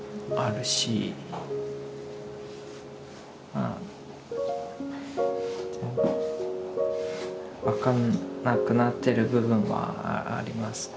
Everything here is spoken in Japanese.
まあ分かんなくなってる部分はあります。